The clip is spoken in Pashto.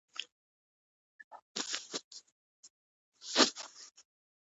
هغوی د نجونو غوښتنې له پامه غورځولې.